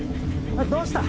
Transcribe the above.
どうした？